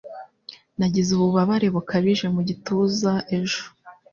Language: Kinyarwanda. Nagize ububabare bukabije mu gituza ejo.